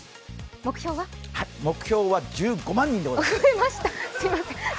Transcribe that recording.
目標は１５万人でございます。